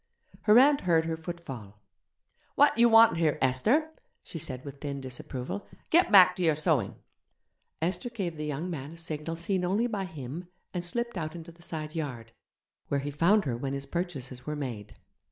Her aunt heard her footfall. 'What do you want here, Esther?' she said with thin disapproval; 'get back to your sewing.' Esther gave the young man a signal seen only by him and slipped out into the side garden, where he found her when his purchases were made.